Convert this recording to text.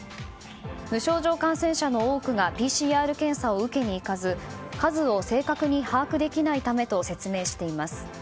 無症状感染者の多くがＰＣＲ検査を受けに行かず数を正確に把握できないためと説明しています。